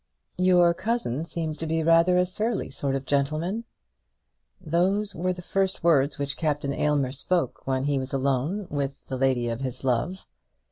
"Your cousin seems to be a rather surly sort of gentleman." Those were the first words which Captain Aylmer spoke when he was alone with the lady of his love.